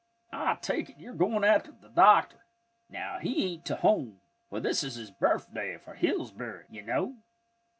"I take it you're goin' after th' doctor. Now he ain't to home, for this is his day for Hillsbury, ye know.